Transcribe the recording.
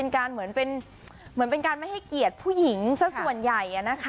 เหมือนเป็นการไม่ให้เกียรติผู้หญิงสักส่วนใหญ่